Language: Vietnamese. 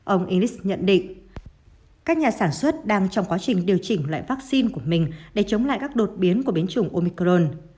ông inglis nhận định các nhà sản xuất đang trong quá trình điều chỉnh loại vắc xin của mình để chống lại các đột biến của biến chủng omicron